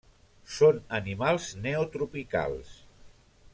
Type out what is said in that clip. Són animals neotropicals.